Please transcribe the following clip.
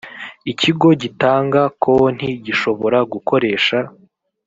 ikigo gitanga konti gishobora gukoresha